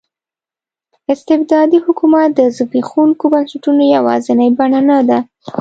استبدادي حکومت د زبېښونکو بنسټونو یوازینۍ بڼه نه ده.